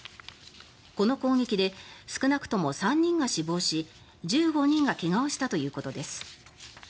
この攻撃で少なくとも３人が死亡し１５人が怪我をしたということです。